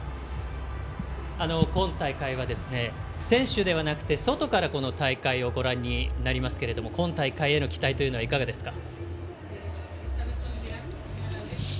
今大会は選手ではなくて外からこの大会をご覧になりますけど今大会への期待というのはいかがですか？